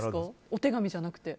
お手紙じゃなくて。